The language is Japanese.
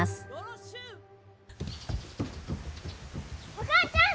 お母ちゃん！